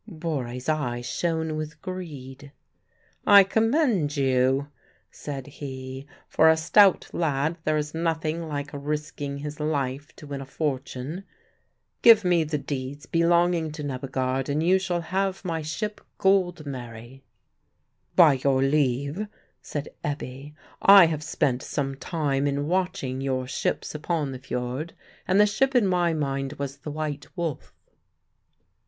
Borre's eyes shone with greed. "I commend you," said he; "for a stout lad there is nothing like risking his life to win a fortune. Give me the deeds belonging to Nebbegaard, and you shall have my ship Gold Mary." "By your leave," said Ebbe, "I have spent some time in watching your ships upon the fiord; and the ship in my mind was the White Wolf."